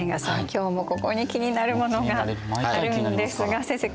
今日もここに気になるものがあるんですが先生